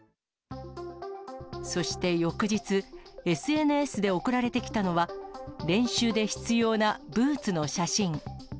そして翌日、ＳＮＳで送られてきたのは、練習で必要なブーツの写真。